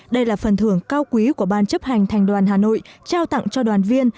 đây là phần thưởng cao quý của ban chấp hành thành đoàn hà nội trao tặng cho đoàn viên